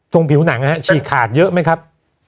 ตรงผิวหนังนะฮะฉีกขาดเยอะไหมครับ